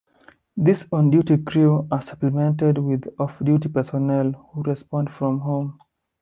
These 'on-duty' crews are supplemented with off-duty personnel who respond from home.